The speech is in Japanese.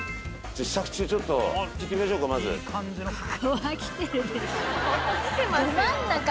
支度中ちょっと聞いてみましょうかまず。来てますよ。